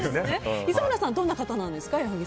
磯村さんはどんな方なんですか？